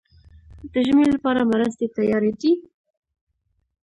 د ژمي لپاره مرستې تیارې دي؟